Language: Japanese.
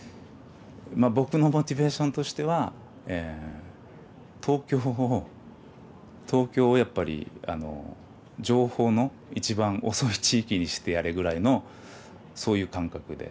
僕のモチベーションとしては東京を東京をやっぱり情報の一番遅い地域にしてやれぐらいのそういう感覚で。